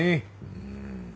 うん。